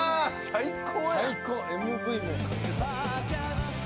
最高。